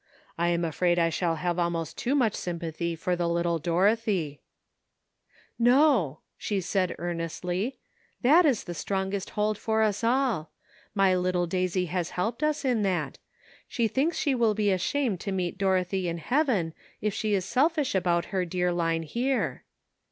I am afraid I shall have almost too much sym pathy for the little Dorothy." 204 CONFLICTING ADVICE. "No," she said earnestly; ''that is the strongest hold for us all. My little Daisy has helped us in that ; she thinks she will be ashamed to meet Dorothy in heaven if she is selfish about her dear Line here."